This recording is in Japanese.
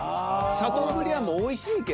シャトーブリアンもおいしいけど。